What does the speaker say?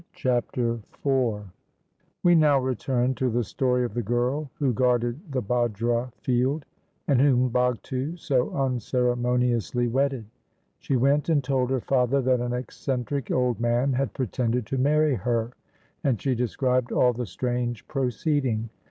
Chapter IV We now return to the story of the girl who guarded the bajra field, and whom Bhagtu so unceremoniously wedded. She went and told her father that an eccentric old man had pretended to marry her, and she described all the strange proceeding.